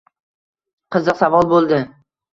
Qiziq savol boʻldi.